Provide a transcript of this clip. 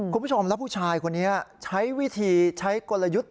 คุณผู้ชมแล้วผู้ชายคนนี้ใช้วิธีใช้กลยุทธ์